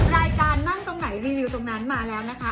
นั่งตรงไหนรีวิวตรงนั้นมาแล้วนะคะ